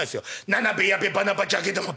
『ななべやべばまばじゃけども』」。